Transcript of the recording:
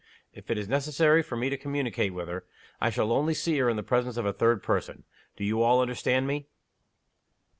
If it is necessary for me to communicate with her, I shall only see her in the presence of a third person. Do you all understand me?"